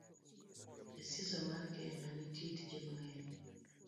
E siasa mar Kenya, nitie tije mang'eny